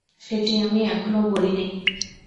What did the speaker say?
সেটি আমি এখনও বলি নাই।